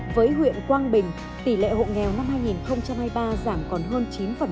với huyện quang bình tỷ lệ hộ nghèo năm hai nghìn hai mươi ba giảm còn hơn chín